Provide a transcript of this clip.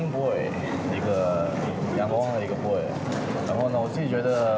มีความสงสัยมีความสงสัย